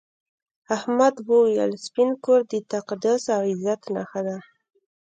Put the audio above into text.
احمد وویل سپین کور د تقدس او عزت نښه ده.